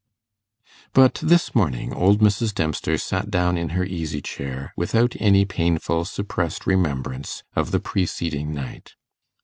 But this morning old Mrs. Dempster sat down in her easy chair without any painful, suppressed remembrance of the preceding night.